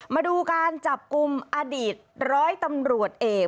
มาดูการจับกุมอดีต๑๐๐ตำรวจเอก